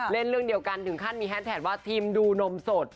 เล่นเรื่องเดียวกันถึงขั้นมีแฮสแท็กว่าทีมดูนมสด